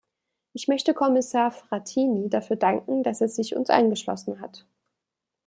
Ich möchte Kommissar Frattini dafür danken, dass er sich uns angeschlossen hat.